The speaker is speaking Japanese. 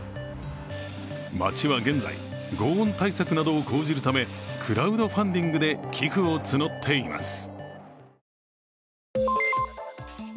町は現在、ごう音対策などを講じるためクラウドファンディングで寄付を募っています。